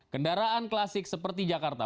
kendaraan klasik seperti jakarta